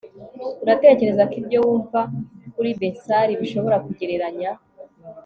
uratekereza ko ibyo wumva kuri bensali bishobora kugereranya